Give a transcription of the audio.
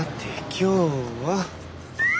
今日は。